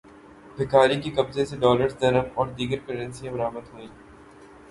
بھکاری کے قبضے سے ڈالرز، درہم اور دیگر کرنسیاں برآمد ہوئیں